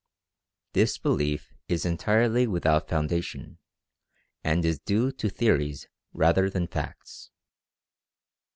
This belief is entirely without foundation, and is due to theories rather than facts.